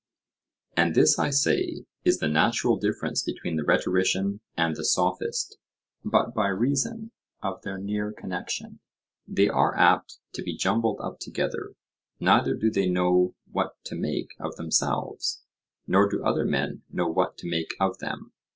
And this, I say, is the natural difference between the rhetorician and the sophist, but by reason of their near connection, they are apt to be jumbled up together; neither do they know what to make of themselves, nor do other men know what to make of them.